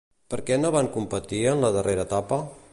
Per què no va competir en la darrera etapa?